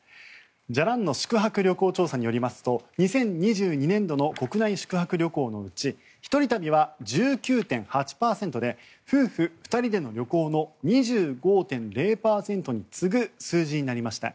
じゃらんの宿泊旅行調査によりますと２０２２年度の国内宿泊旅行のうち一人旅は１９．８％で夫婦２人での旅行の２５．０％に次ぐ数字になりました。